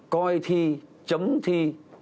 coi thi chấm thi